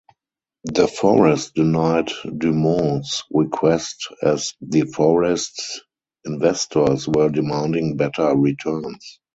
De Forest denied DuMont's request as De Forest's investors were demanding better returns.